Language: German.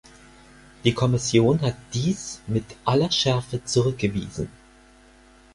Die Kommission hat dies mit aller Schärfe zurückgewiesen.